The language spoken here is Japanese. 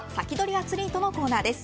アツリートのコーナーです。